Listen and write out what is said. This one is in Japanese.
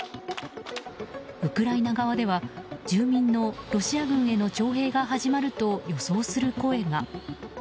ウクライナ側では、住民のロシア軍への徴兵が始まると予想する声が。